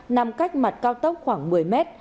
nằm cách mặt cao tốc khoảng một mươi m